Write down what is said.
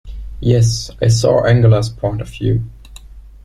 Yes, I saw Angela's point of view.